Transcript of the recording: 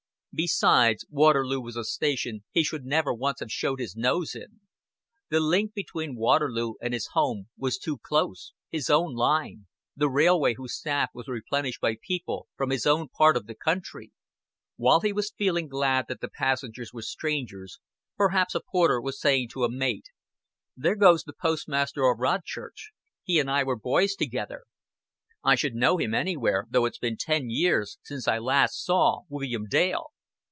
Besides, Waterloo was a station he should never once have showed his nose in; the link between Waterloo and home was too close his own line the railway whose staff was replenished by people from his own part of the country. While he was feeling glad that the passengers were strangers, perhaps a porter was saying to a mate: "There goes the postmaster of Rodchurch. He and I were boys together. I should know him anywhere, though it's ten years since I last saw William Dale."